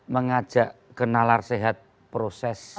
mengajak kenalar sehat proses